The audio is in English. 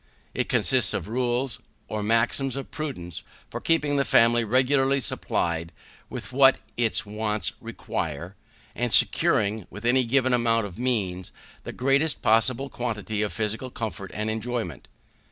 It consists of rules, or maxims of prudence, for keeping the family regularly supplied with what its wants require, and securing, with any given amount of means, the greatest possible quantity of physical comfort and enjoyment.